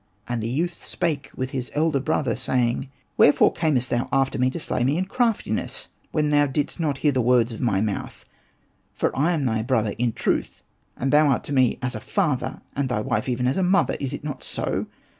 And the youth spake with his elder brother, saying, '' Where fore earnest thou after me to slay me in crafti ness, when thou didst not hear the words of my mouth ^ For I am thy brother in truth, and thou art to me as a father, and thy wife even as a mother : is it not so.